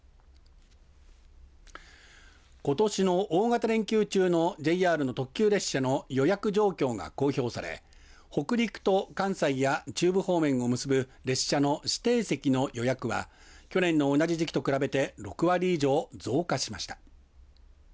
ことしの大型連休中のＪＲの特急列車の予約状況が公表され北陸と関西や中部方面を結ぶ列車の指定席の予約は去年の同じ時期と比べて６割以上増加しました。